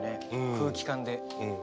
空気感で。